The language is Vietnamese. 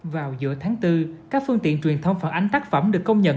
vào giữa tháng bốn các phương tiện truyền thông phản ánh tác phẩm được công nhận